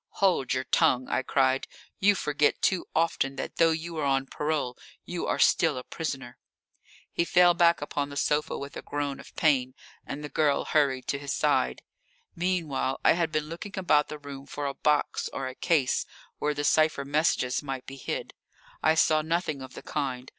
"Hold your tongue!" I cried. "You forget too often that though you are on parole you are still a prisoner." He fell back upon the sofa with a groan of pain, and the girl hurried to his side. Meanwhile I had been looking about the room for a box or a case where the cipher messages might be hid. I saw nothing of the kind.